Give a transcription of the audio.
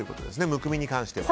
むくみに関しては。